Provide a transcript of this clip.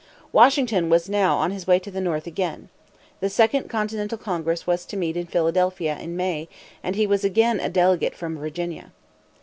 Washington was now on his way to the North again. The Second Continental Congress was to meet in Philadelphia in May, and he was again a delegate from Virginia.